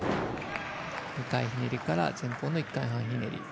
２回ひねりから前方の１回半ひねり。